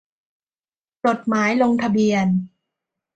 จดหมายลงทะเบียน